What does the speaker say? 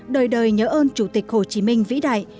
đời đời nhớ ơn chủ tịch hồ chí minh vĩ đại